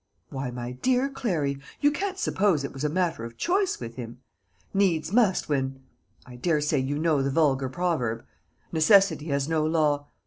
"Why, my dear Clary, you can't suppose it was a matter of choice with him. 'Needs must when' I daresay you know the vulgar proverb. Necessity has no law.